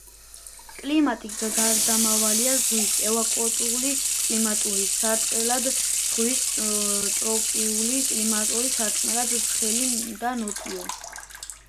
კლიმატი გარდამავალია ზღვის ეკვატორული კლიმატური სარტყელიდან ზღვის ტროპიკულ კლიმატურ სარტყელამდე, ცხელი და ნოტიოა.